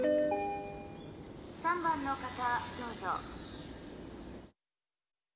・「３番の方どうぞ」。